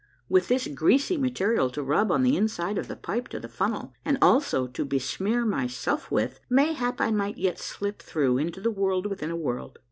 With this greasy material to rub on the inside of the pipe to the funnel, and also to besmear myself with, mayhap I might yet slip through into the World within a W orld